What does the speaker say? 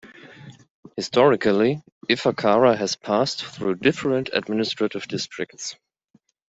Historically, Ifakara has passed through different administrative districts.